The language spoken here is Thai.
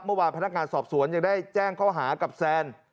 พนักงานสอบสวนยังได้แจ้งข้อหากับแซน